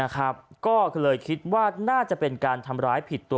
ก็เลยคิดว่าน่าจะเป็นการทำร้ายผิดตัว